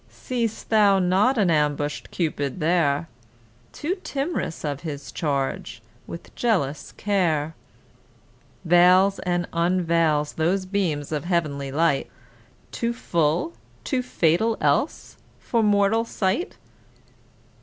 seest thou not an ambush'd Cupid there, Too tim'rous of his charge, with jealous care Veils and unveils those beams of heavenly light, Too full, too fatal else, for mortal sight?